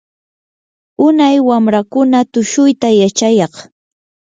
unay wamrakuna tushuyta yachayaq.